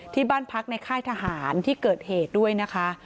ที่บ้านพักในค่ายทหารที่เกิดเหตุด้วยนะคะ